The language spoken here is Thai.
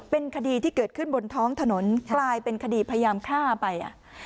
เป็นคดีที่เกิดขึ้นบนท้องถนนกลายเป็นคดีพยายามฆ่าไป